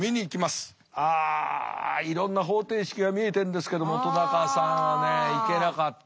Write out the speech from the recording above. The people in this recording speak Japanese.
あいろんな方程式が見えてんですけども本さんはねいけなかった。